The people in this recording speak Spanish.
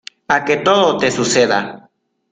a que todo te suceda.